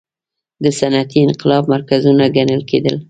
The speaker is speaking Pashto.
د صنعتي انقلاب مرکزونه ګڼل کېدل.